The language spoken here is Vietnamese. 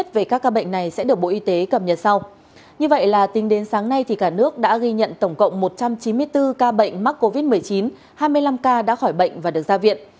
tính đến sáng nay cả nước đã ghi nhận tổng cộng một trăm chín mươi bốn ca bệnh mắc covid một mươi chín hai mươi năm ca đã khỏi bệnh và được ra viện